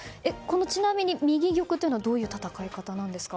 ちなみに右玉というのはどういう戦い方なんですか？